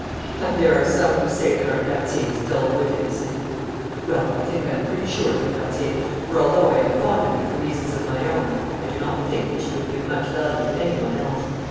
'And there are some who say that our Berthier is dull witted,' said he. 'Well, I think I am pretty sure of you, Berthier, for although I am fond of you for reasons of my own I do not think that you would be of much value to anyone else.